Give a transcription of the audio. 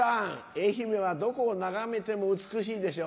愛媛はどこを眺めても美しいでしょ？